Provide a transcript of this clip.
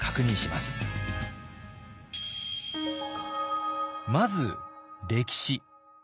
まず歴史。